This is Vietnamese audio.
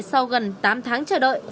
sau gần tám tháng chờ đợi